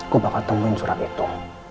gue bakal temuin surat itu